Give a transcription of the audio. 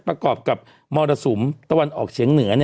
ประกอบกับมรสุมตะวันออกเฉียงเหนือ